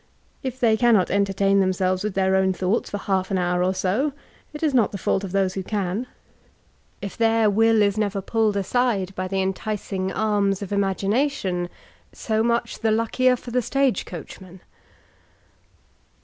If they cannot entertain themselves with theb own thoi^hts for half an hour or so, it is not the £udt d[ those who can. If tfadr will is never pulled aside by the enticing arms of imagination, so much the luckier for the stage*coachman.